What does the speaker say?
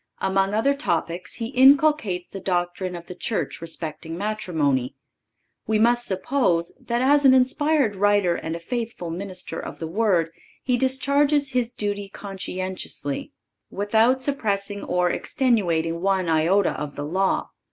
Among other topics he inculcates the doctrine of the Church respecting Matrimony. We must suppose that as an inspired writer and a faithful minister of the Word he discharges his duty conscientiously, without suppressing or extenuating one iota of the law.